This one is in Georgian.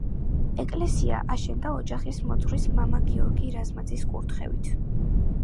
ეკლესიის აშენდა ოჯახის მოძღვრის მამა გიორგი რაზმაძის კურთხევით.